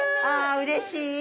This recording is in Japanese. うれしい。